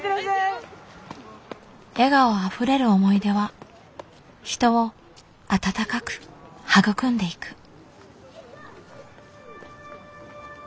笑顔あふれる思い出は人を温かく育んでいく。